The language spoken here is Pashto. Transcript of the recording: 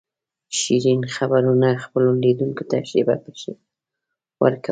شیرین خبرونه خپلو لیدونکو ته شېبه په شېبه ور کول.